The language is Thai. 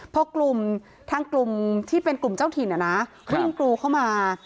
พอกลุ่มทางกลุ่มที่เป็นกลุ่มเจ้าถิ่นวิ่งกรูเข้ามา